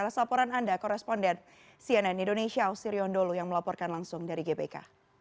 terima kasih banyak